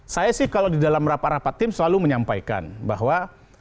saya sih kalau di dalam rapat rapat tim selalu menyampaikan bahwa